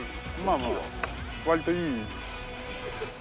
まあまあ割といい。